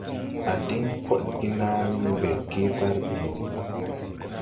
A din podge na mbɛ ge barbin wo?